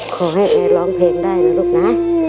ขอให้แอร์ร้องเพลงได้นะลูกนะ